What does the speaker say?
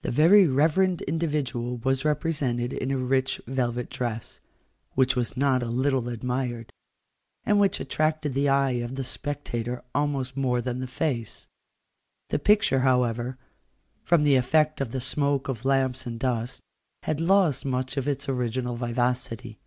The very reverend individual was represented in a rich velvet dress, which was not a little admired, and which attracted the eye of the spectator almost more than the face. The picture, however, from the effect of the smoke of lamps and dust, had lost much of its original vivacity.